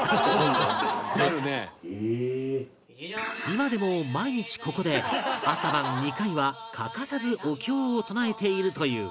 今でも毎日ここで朝晩２回は欠かさずお経を唱えているという